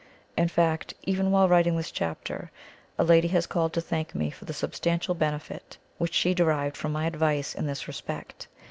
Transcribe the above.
In fact, even while writing this chapter, a lady has called to thank me for the substantial benefit which she derived from my advice in this respect.